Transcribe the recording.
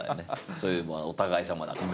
そういうのはお互いさまだから。